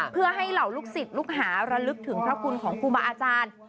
เพื่อให้เหล่าลูกศิษย์ลูกหาระลึกถึงพระคุณของครูบาอาจารย์